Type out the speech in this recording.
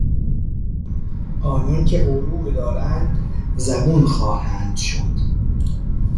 آنان که غرور دارند زبون خواهند شد.